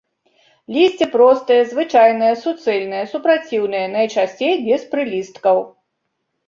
Лісце простае, звычайна суцэльнае, супраціўнае, найчасцей без прылісткаў.